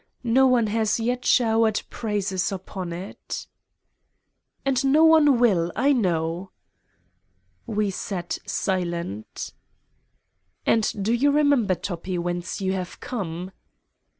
No one has yet showered praises upon it." "And no one will, I know!" We sat silent. "And do you remember, Toppi, whence you have come?"